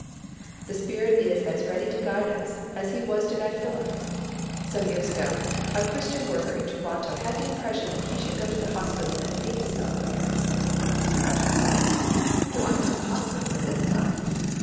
The Spirit is as ready to guide us as He was to guide Philip. Some years ago, a Christian worker in Toronto had the impression that he should go to the hospital and speak to some one there. He thought to himself, "Whom do I know at the hospital at this time?"